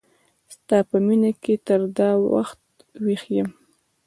ستا په مینه کی تر دا وخت ویښ یم